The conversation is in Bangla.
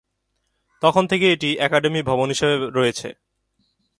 তখন থেকেই এটি আকাদেমি ভবন হিসাবে রয়েছে।